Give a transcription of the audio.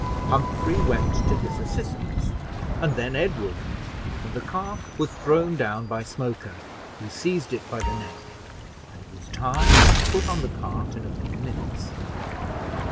Humphrey went to his assistance, and then Edward; and the calf was thrown down by Smoker, who seized it by the neck, and it was tied and put on the cart in a few minutes.